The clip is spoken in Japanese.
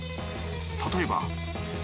例えば。